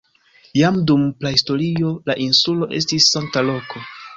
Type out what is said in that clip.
Jam dum prahistorio la insulo estis sankta loko.